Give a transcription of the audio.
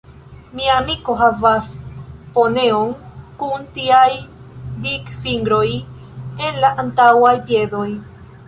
Mia amiko havas poneon kun tiaj dikfingroj en la antaŭaj piedoj.